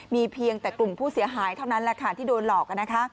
มีเพียงแต่กลุ่มผู้เสียหายเท่านั้นแหละค่ะที่โดนหลอกนะคะ